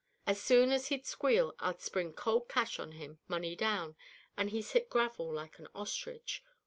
As soon as he'd squeal I'd spring cold cash on him, money down, and he's hit gravel like an ostrich.